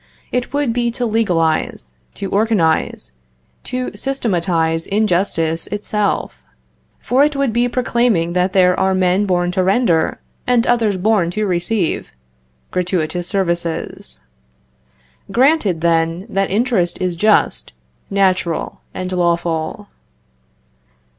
It would be to legalize, to organize, to systematize injustice itself, for it would be proclaiming that there are men born to render, and others born to receive, gratuitous services. Granted, then, that interest is just, natural, and lawful.